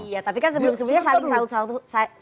iya tapi kan sebelum sebelumnya saling sautan